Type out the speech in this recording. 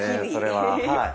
はい。